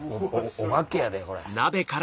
お化けやでこれ。